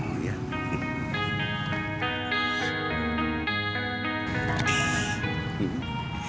tunggu sebentar ya